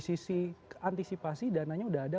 sisi antisipasi dananya udah ada